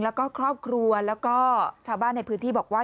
แล้วก็ครอบครัวแล้วก็ชาวบ้านในพื้นที่บอกว่า